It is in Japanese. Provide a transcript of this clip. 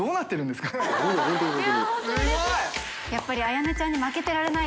すごい！